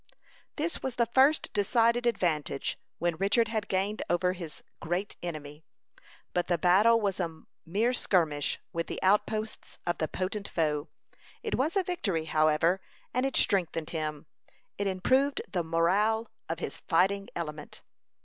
This was the first decided advantage which Richard had gained over his great enemy; but the battle was a mere skirmish with the outposts of the potent foe. It was a victory, however, and it strengthened him. It improved the morale of his fighting element.